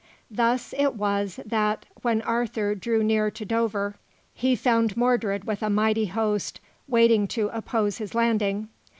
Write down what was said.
Thus is was that, when Arthur drew near to Dover, he found Mordred with a mighty host, waiting to oppose his landing.